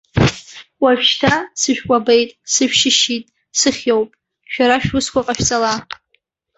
Уажәшьҭа сышәкәабеит, сышәшьышьит, сыхиоуп, шәара шәусқәа ҟашәҵала.